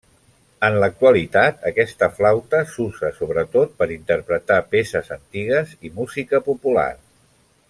En l'actualitat aquesta flauta s'usa sobretot per interpretar peces antigues i música popular.